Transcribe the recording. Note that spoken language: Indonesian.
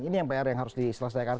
ini yang harus diselesaikan